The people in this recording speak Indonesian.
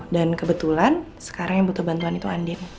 dan kebetulan sekarang yang butuh bantuan itu andien